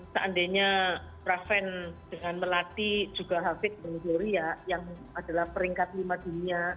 seandainya praven dengan melati juga hafid dan gloria yang adalah peringkat lima dunia